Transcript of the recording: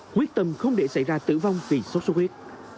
quyết tâm không để xảy ra tử vong vì sốt sốt huyết